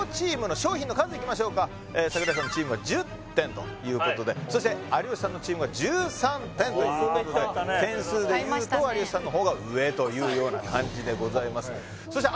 商品の数いきましょうか櫻井さんのチームが１０点ということでそして有吉さんのチームが１３点ということで点数でいうと有吉さんの方が上というような感じでございます